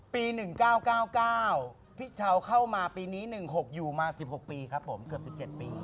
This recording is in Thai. ๑๙๙๙๙พี่เช้าเข้ามาปีนี้๑๖อยู่มา๑๖ปีครับผมเกือบ๑๗ปี